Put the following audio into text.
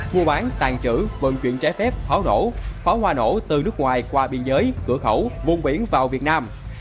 mua bán tàn trữ vận chuyển trái phép pháo nổ pháo hoa nổ từ nước ngoài qua biên giới cửa khẩu vùng biển vào việt nam